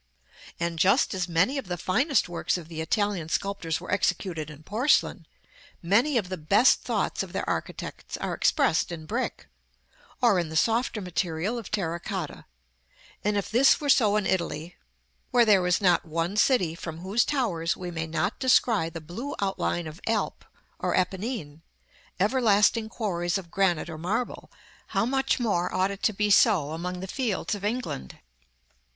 And, just as many of the finest works of the Italian sculptors were executed in porcelain, many of the best thoughts of their architects are expressed in brick, or in the softer material of terra cotta; and if this were so in Italy, where there is not one city from whose towers we may not descry the blue outline of Alp or Apennine, everlasting quarries of granite or marble, how much more ought it to be so among the fields of England!